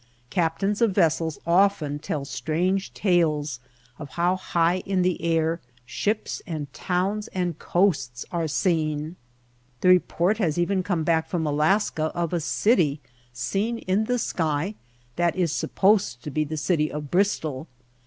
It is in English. Captains of vessels often tell strange tales of how high in the air, ships and towns and coasts are seen. The report has even come back from Alaska of a city seen in the sky that is supposed to be the city of Bristol.